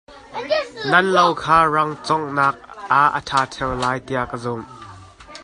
Nan lo kha rangconghnak ah a ṭha ṭheu lai tiah ka zumh.